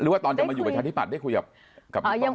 หรือว่าตอนจะมาอยู่กับชาธิบัตรได้คุยกับบิ๊กป้อม